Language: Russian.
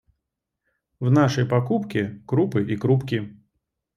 В нашей покупке — крупы и крупки.